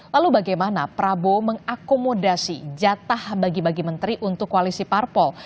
lalu bagaimana prabowo mengakomodasi jatah bagi bagi menteri untuk koalisi parpol